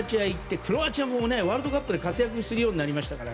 クロアチアもワールドカップで活躍するようになりましたから。